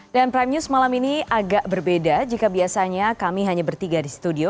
dan prime news malam ini agak berbeda jika biasanya kami hanya bertiga di studio